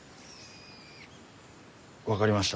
分かりました。